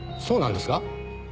そうなんですか？